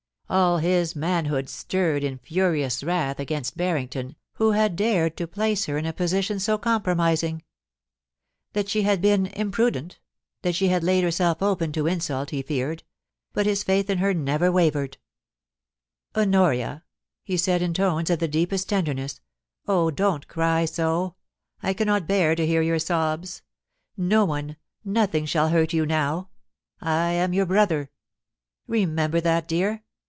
All his manhood stirred in furious wrath against Barrington, who had dared to • place her in a position so compromising. That she had been imprudent — that she had laid herself open to insult he feared ; but his faith in her never wavered SAVED. 3SS ' Honorb,' he said, in tones of the deepest tenderness, ' oh, don't cry sa I cannot bear to hear your sobs. No one, nothing shall hurt you now. 1 am your brother; remember that, dear.